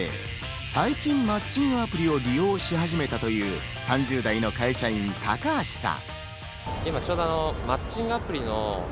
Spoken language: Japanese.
最近、マッチングアプリを利用し始めたという３０代の会社員・高橋さん。